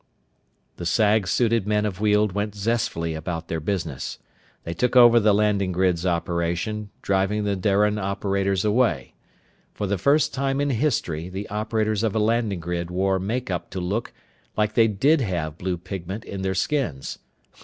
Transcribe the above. The sag suited men of Weald went zestfully about their business. They took over the landing grid's operation, driving the Darian operators away. For the first time in history the operators of a landing grid wore make up to look like they did have blue pigment in their skins.